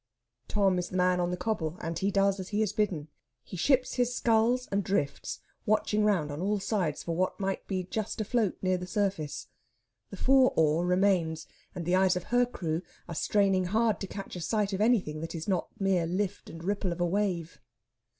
Tom is the man in the cobble, and he does as he is bidden. He ships his sculls and drifts, watching round on all sides for what may be just afloat near the surface. The four oar remains, and the eyes of her crew are straining hard to catch a sight of anything that is not mere lift and ripple of a wave.